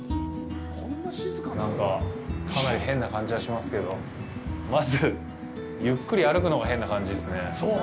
なんか、かなり変な感じはしますけど、まず、ゆっくり歩くのが変な感じですね。